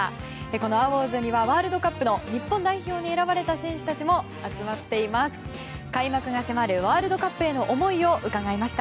このアウォーズにはワールドカップの日本代表に選ばれた選手たちも集まっています。